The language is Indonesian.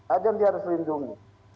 ada yang harus dilindungi